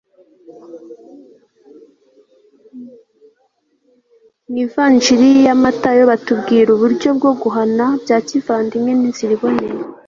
mu ivanjili ya matayo batubwira uburyo bwo guhana bya kivandimwe n'inzira iboneye